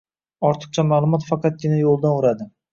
– ortiqcha ma’lumot faqatgina yo‘ldan uradi.